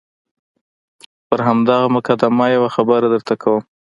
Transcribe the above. پر همدغه مقدمه یوه خبره درته کوم.